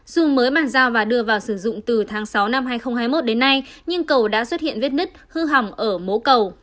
dù mới bàn giao và đưa vào sử dụng từ tháng sáu năm hai nghìn hai mươi một đến nay nhưng cầu đã xuất hiện vết nứt hư hỏng ở mố cầu